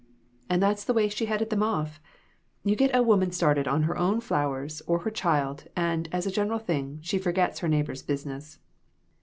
And that's the way she headed them off. You get a woman started on her flowers or her child, and, as a general thing, she forgets her neighbors' business.